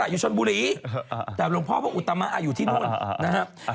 อยู่ชนบุรีแต่หลวงพ่อพระอุตมะอยู่ที่นู่นนะครับ